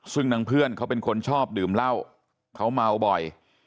ซึ่งนางเพื่อนเขาเป็นคนชอบดื่มเหล้าเขาเมาบ่อย